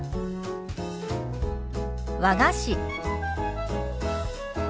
「和菓子」。